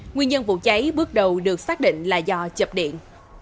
nguyên nhân vụ cháy bước đầu được xác định là do chập điện